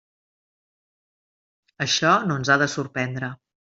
Això no ens ha de sorprendre.